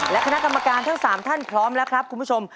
และคณะกรรมการทั้ง๓ท่านพร้อมแล้วครับคุณผู้ชม